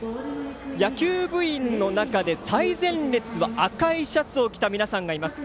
野球部員の中で最前列は赤いシャツを着た皆さんがいます。